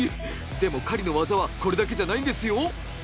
でも狩りの技はこれだけじゃないんですよ。